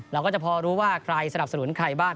เราก็จะพอรู้ว่าใครสนับสนุนใครบ้าง